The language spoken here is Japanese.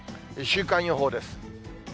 週間予報です。